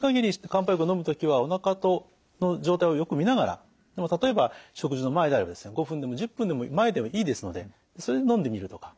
漢方薬をのむ時はおなかの状態をよく見ながら例えば食事の前であれば５分でも１０分でも前でいいですのでそれでのんでみるとか。